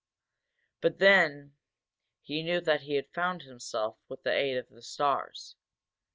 But then he knew that he had found himself, with the aid of the stars.